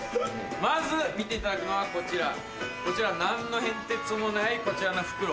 まず見ていただくのはこちら何の変哲もないこちらの袋。